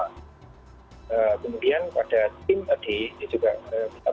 kemudian pada tim ed ini juga penting